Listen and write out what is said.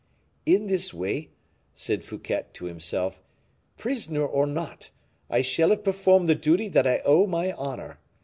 "In this way," said Fouquet to himself, "prisoner or not, I shall have performed the duty that I owe my honor.